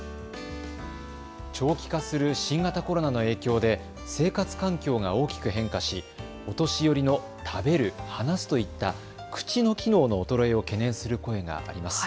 長期化する新型コロナの影響で生活環境が大きく変化しお年寄りの食べる、話すといった口の機能の衰えを懸念する声があります。